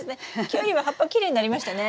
キュウリは葉っぱきれいになりましたね。